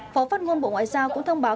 phó phát ngôn bộ ngoại giao cũng thông báo